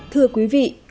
thưa quý vị